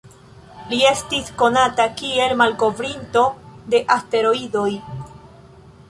Li estis konata kiel malkovrinto de asteroidoj.